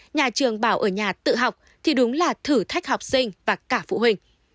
nhà trường bảo ở nhà tự học thì đúng là thử thách học sinh và cả phụ huynh